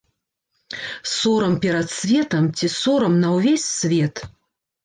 Сорам перад светам ці сорам на ўвесь свет!